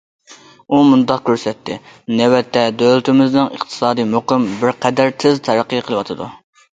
ئۇ مۇنداق كۆرسەتتى: نۆۋەتتە دۆلىتىمىزنىڭ ئىقتىسادى مۇقىم، بىر قەدەر تېز تەرەققىي قىلىۋاتىدۇ.